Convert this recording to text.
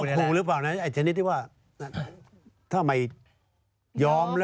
กึ่งกล่อมกึ่งคูอย่างนี้หรอ